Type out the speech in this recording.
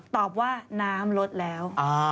ตอบว่าน้ำลดแล้ว